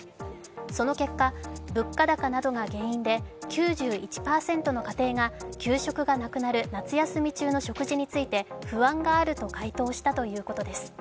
その結果、物価高などが原因で９１％の家庭が給食がなくなる夏休み中の食事について不安があると回答したということです。